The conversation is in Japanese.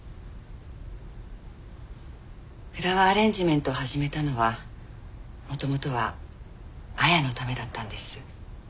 フラワーアレンジメントを始めたのは元々は亜矢のためだったんです。